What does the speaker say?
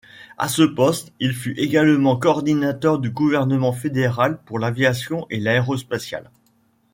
À ce poste, il fut également coordinateur du gouvernement fédéral pour l'aviation et l'aérospatiale.